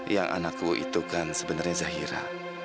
yang anakku itu kan sebenarnya zahira